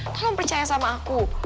tolong percaya sama aku